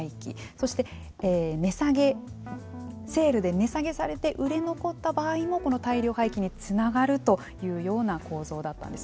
そしてセールで値下げされて売れ残った場合も大量廃棄につながるというような構造だったんです。